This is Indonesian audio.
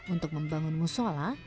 untuk membangun musola